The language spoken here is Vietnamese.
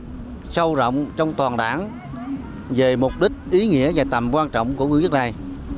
học tập sâu rộng trong toàn đảng về mục đích ý nghĩa và tầm quan trọng của nguyên quyết này